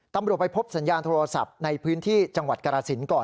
ไปพบสัญญาณโทรศัพท์ในพื้นที่จังหวัดกรสินก่อน